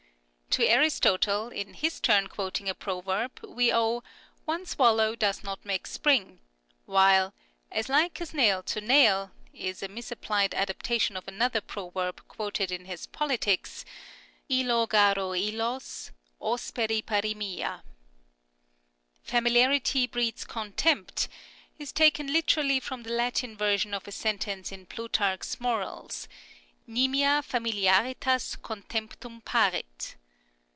To Aristotle, in his turn quoting a proverb, we owe •' One swallow does not make spring "; while " As like as nail to nail " is a misapplied adapta tion of another proverb quoted in his Politics (viii. 12, 13), flX«j» yap 6 ^Xos, Sxr rrep ij irapoifila. " Familiarity breeds contempt " is taken literally from the Latin version of a sentence in Plutarch's Morals, " Nimia familiaritas contemptum parit."